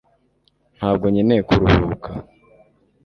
ntabwo nkeneye kuruhuka